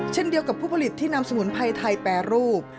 เช่นเดียวกับผู้ผลิตที่นำสมุนไพรไทยแปรรูป